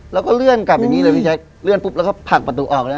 แล้วก็เลื่อนกลับอย่างนี้เลยพี่แจ๊คเลื่อนปุ๊บแล้วก็ผลักประตูออกนะ